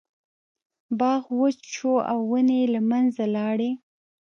باغ وچ شو او ونې یې له منځه لاړې.